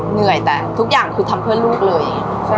เหนื่อยแต่ทุกอย่างคือทำเพื่อลูกเลย